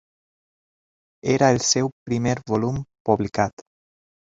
Era el seu primer volum publicat.